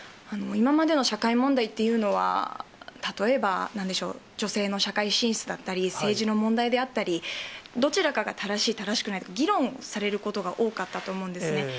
今までの社会問題というのは、例えば、なんでしょう、女性の社会進出だったり、政治の問題であったり、どちらかが正しい、正しくない、議論されることが多かったと思うんですね。